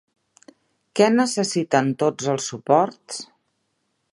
Què necessiten tots els suports?